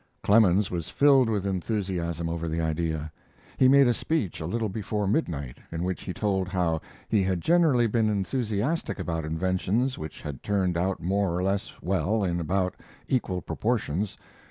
Clemens was filled with enthusiasm over the idea. He made a speech a little before midnight, in which he told how he had generally been enthusiastic about inventions which had turned out more or less well in about equal proportions.